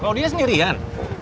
kalau dia sendirian